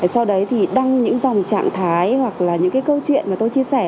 sau đấy thì đăng những dòng trạng thái hoặc là những cái câu chuyện mà tôi chia sẻ